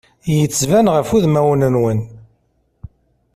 Yettban ɣef udmawen-nwen.